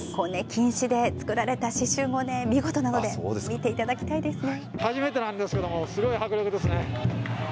錦糸で作られた刺しゅうもね、見事なので、見ていただきたいですね。